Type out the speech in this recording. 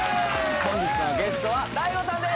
本日のゲストはＤＡＩＧＯさんです